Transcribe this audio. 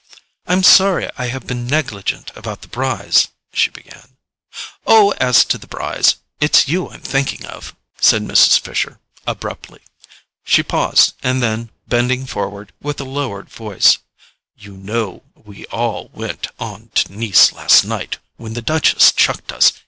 "I'm sorry I have been negligent about the Brys——" she began. "Oh, as to the Brys—it's you I'm thinking of," said Mrs. Fisher abruptly. She paused, and then, bending forward, with a lowered voice: "You know we all went on to Nice last night when the Duchess chucked us.